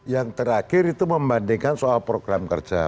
yang terakhir itu membandingkan soal program kerja